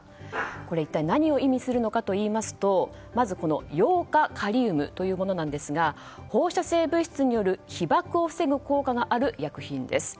これは一体何を意味するのかといいますとまずヨウ化カリウムは放射性物質による被ばくを防ぐ効果がある薬品です。